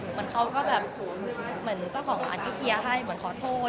เหมือนเขาก็แบบเหมือนเจ้าของร้านก็เคลียร์ให้เหมือนขอโทษ